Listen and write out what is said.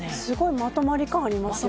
まとまり感ありますよね